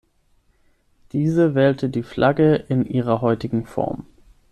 Diese wählte die Flagge in ihrer heutigen Form.